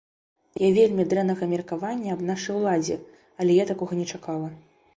Я вельмі дрэннага меркавання аб нашай уладзе, але я такога не чакала.